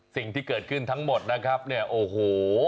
สิ่งที่เกิดขึ้นทั้งหมดนะครับเนี่ยโอ้โห